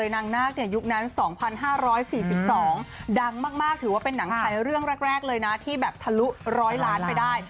นางนาคยุคนั้น๒๕๔๒ดังมากถือว่าเป็นหนังไทยเรื่องแรกเลยนะที่แบบทะลุ๑๐๐ล้านไปได้